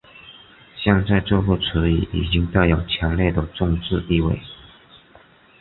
现在这个词语已经带有强烈的政治意味。